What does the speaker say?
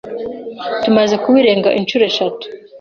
Tumaze kubirenga inshuro eshatu.